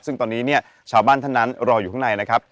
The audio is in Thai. ซึ่งตอนนี้เนี่ยชาวบ้านท่านนั้นรออยู่ข้างในนะครับ